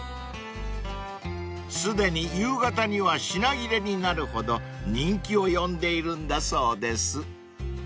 ［すでに夕方には品切れになるほど人気を呼んでいるんだそうです］